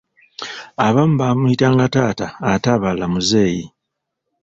Abamu baamuyitanga taata ate abalala muzeeyi.